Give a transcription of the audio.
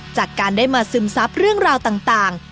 จากการได้มาซึมซับเรื่องราวต่าง